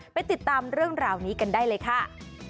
ไปติดตามเรื่องราวนี้กันได้เลยค่ะ